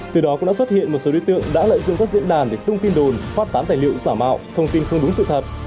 từ đó cũng đã xuất hiện một số đối tượng đã lợi dụng các diễn đàn để tung tin đồn phát tán tài liệu giả mạo thông tin không đúng sự thật